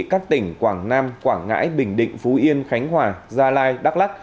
các tỉnh quảng nam quảng ngãi bình định phú yên khánh hòa gia lai đắk lắc